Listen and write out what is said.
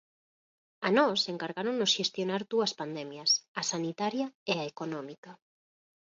A nós encargáronnos xestionar dúas pandemias: a sanitaria e a económica.